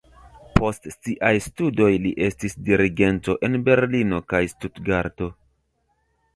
Post siaj studoj li estis dirigento en Berlino kaj Stutgarto.